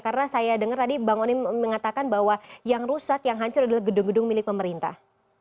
karena saya dengar tadi bang onim mengatakan bahwa yang rusak yang hancur adalah gedung gedung milik pemerintah